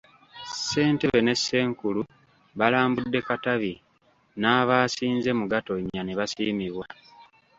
Ssentebe ne Ssenkulu balambudde Katabi n'abaasinze mu Gatonnya nebasiimibwa.